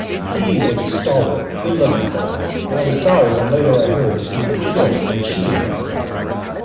He was a stalwart, good looking fellow, and I was sorry when later I heard that he had been killed in a shooting row.